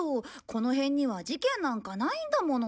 この辺には事件なんかないんだもの。